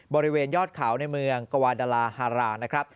บริเวณยอดเขาในเมืองกวาดาราฮารานะครับ